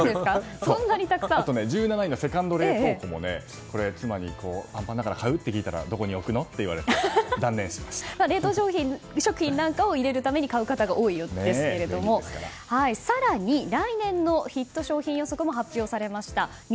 あと１７位のセカンド冷凍庫も妻に買う？って聞いたらどこに置くのって言われて冷凍食品なんかを入れるために買う方が多いようですけども更に来年のヒット商品予測も発表されました。